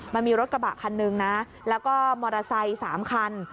มันมีรถกระบะคันหนึ่งนะแล้วก็มอเตอร์ไซค์๓คัน